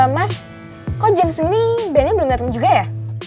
mas kok james lee ini bandnya belum datang juga ya